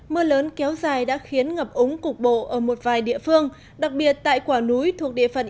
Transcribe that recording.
mưa lớn kéo dài đã khiến ngập ống cục bộ ở một vài địa phương đặc biệt tại quảng núi thuộc địa phận